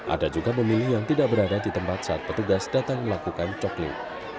ada juga pemilih yang tidak berada di tempat saat petugas datang melakukan coklik